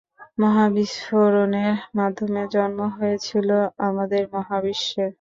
মহাবিস্ফোরণের মাধ্যমে জন্ম হয়েছিল আমাদের মহাবিশ্বের।